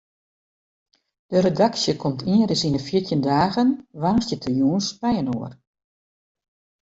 De redaksje komt ienris yn de fjirtjin dagen woansdeitejûns byinoar.